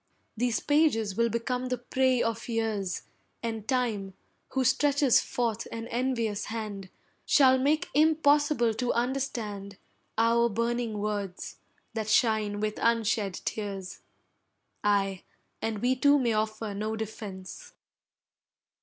These pages will become the prey of years, And time, who stretches forth an envious hand, Shall make impossible to understand Our burning words, that shine with unshed tears, Ay, and we two may offer no defence!